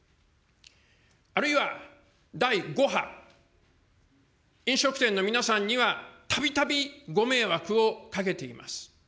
あるいは、第５波、飲食店の皆さんには、たびたびご迷惑をかけています。